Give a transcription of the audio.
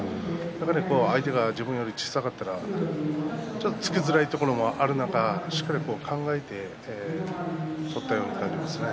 相手が自分より小さかったらちょっと突きづらいところもあるのか、しっかりと考えて取ったような感じですね。